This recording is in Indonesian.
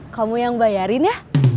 kamu yang bayarin ya